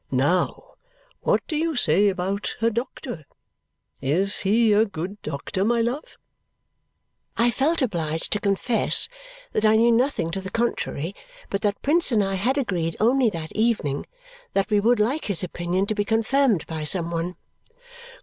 "Now, what do you say about her doctor? Is he a good doctor, my love?" I felt obliged to confess that I knew nothing to the contrary but that Prince and I had agreed only that evening that we would like his opinion to be confirmed by some one.